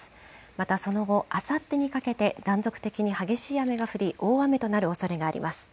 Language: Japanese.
またその後、あさってにかけて断続的に激しい雨が降り、大雨となるおそれがあります。